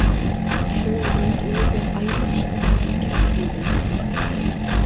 شۇنىڭ بىلەن ئۇنى بىر ئايرىم ئىش قاتارىغا كىرگۈزمىدىم.